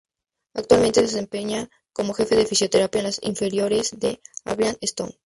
Actualmente se desempeña como Jefe de Fisioterapia en las inferiores del Accrington Stanley.